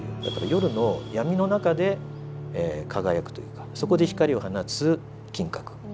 だから夜の闇の中で輝くというかそこで光を放つ金閣。